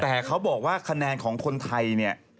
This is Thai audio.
แต่เขาบอกว่าคะแนนของคนไทยเนี่ย